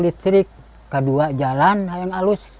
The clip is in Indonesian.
jika saya tidak bisa berjalan saya akan berlalu